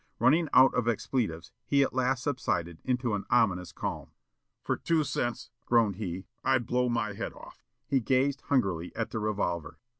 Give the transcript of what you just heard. Running out of expletives he at last subsided into an ominous calm. "For two cents," groaned he, "I'd blow my head off." He gazed hungrily at the revolver.